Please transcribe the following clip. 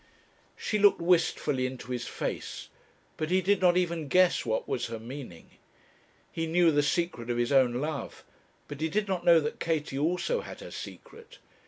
She looked wistfully into his face, but he did not even guess what was her meaning. He knew the secret of his own love; but he did not know that Katie also had her secret.